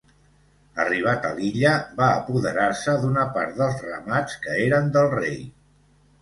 Arribat a l'illa, va apoderar-se d'una part dels ramats que eren del rei.